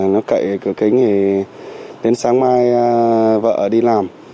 nó cậy cửa kính thì đến sáng mai vợ đi làm